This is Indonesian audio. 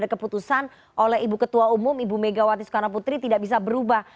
ada keputusan oleh ibu ketua umum ibu megawati soekarno putri tidak bisa berubah